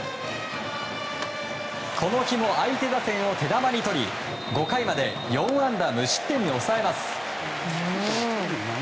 この日も相手打線を手玉にとり５回まで４安打無失点に抑えます。